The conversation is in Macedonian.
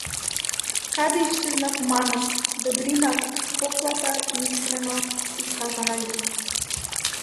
Каде исчезна хуманоста, добрината, топлата и искрено искажана љубов?